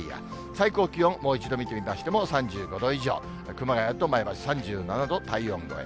最高気温、もう一度見てみましても、３５度以上、熊谷と前橋３７度、体温超え。